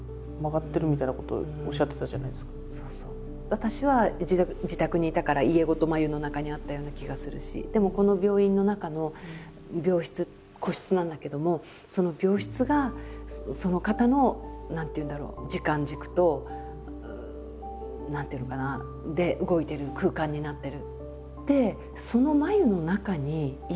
私は自宅にいたから家ごと繭の中にあったような気がするしでもこの病院の中の病室個室なんだけどもその病室がその方の何ていうんだろう時間軸と何ていうのかな動いている空間になっている。